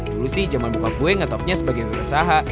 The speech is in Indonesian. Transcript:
dulu sih zaman buka gue ngetopnya sebagai wira usaha